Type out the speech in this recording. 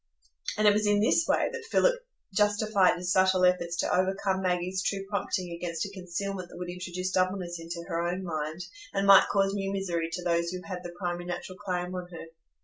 And it was in this way that Philip justified his subtle efforts to overcome Maggie's true prompting against a concealment that would introduce doubleness into her own mind, and might cause new misery to those who had the primary natural claim on her.